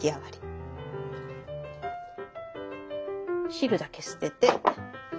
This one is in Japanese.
汁だけ捨てて。